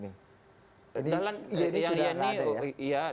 ini sudah ada ya